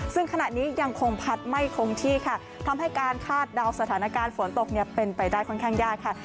ซึ่งขณะนี้ยังคงพัดไม่คงที่ค่ะทำให้การคาดเดาสถานการณ์ฝนตกเนี่ยเป็นไปได้ค่อนข้างยากค่ะ